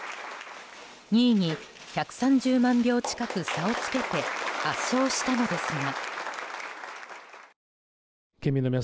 ２位に１３０万票近く差をつけて圧勝したのですが。